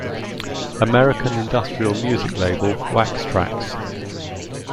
American industrial music label Wax Trax!